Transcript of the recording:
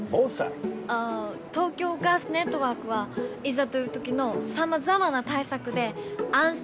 あ東京ガスネットワークはいざという時のさまざまな対策で安心・安全を守っています！